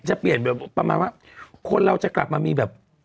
จะเปลี่ยนแบบมั้ยคนเราจะกลับมาต่อมีแบบ